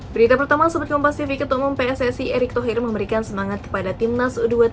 berita pertama sobatkompastv ketemu pssc erick thohir memberikan semangat kepada timnas u dua puluh tiga